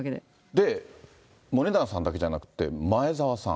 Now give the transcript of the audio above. で、森永さんだけじゃなくて、前澤さん。